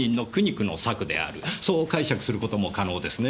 そう解釈する事も可能ですね。